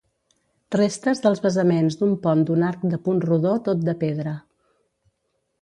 Restes dels basaments d'un pont d'un arc de punt rodó tot de pedra.